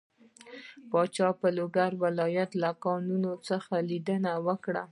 پاچا په لوګر ولايت له کانونو څخه ليدنه وکړه.